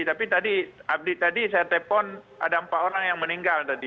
tapi tadi update tadi saya telepon ada empat orang yang meninggal tadi